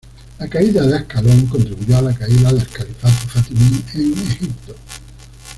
La caída de Ascalón contribuyó a la caída del Califato Fatimí en Egipto.